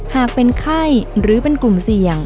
หากเป็นไข้หรือเป็นกลุ่มเสี่ยง